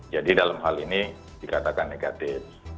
jadi dalam hal ini dikatakan negatif